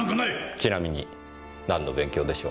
ちなみに何の勉強でしょう？